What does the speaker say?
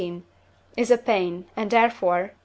is a pain, and therefore (IV.